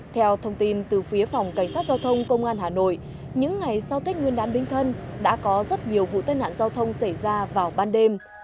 theo thông tin từ phía phòng cảnh sát giao thông công an hà nội những ngày sau tết nguyên đán đinh thân đã có rất nhiều vụ tai nạn giao thông xảy ra vào ban đêm